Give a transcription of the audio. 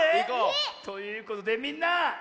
えっ⁉ということでみんな。